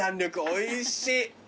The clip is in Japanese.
おいしい。